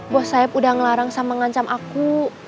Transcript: bos saya udah ngelarang sama ngancam aku